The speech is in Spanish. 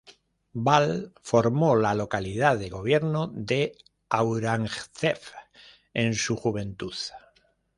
Balj formó la localidad de gobierno de Aurangzeb en su juventud.